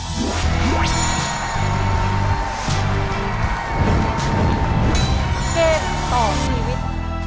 เกมต่อชีวิต